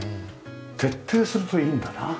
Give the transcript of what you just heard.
徹底するといいんだな。